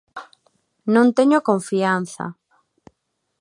Non teño confianza.